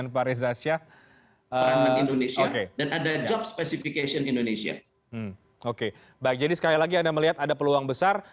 baik jadi sekali lagi ada melihat ada peluang besar